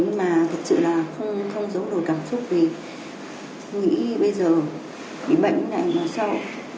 nhưng mà thật sự là không giấu đổi cảm xúc vì nghĩ bây giờ bị bệnh này mà sao